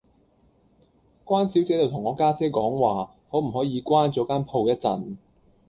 關小姐就同我家姐講話可唔可以關左間鋪一陣